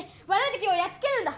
てきをやっつけるんだ！